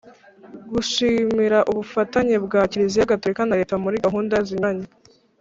Gushimira ubufatanye bwa Kiliziya Gatolika na Leta muri gahunda zinyuranye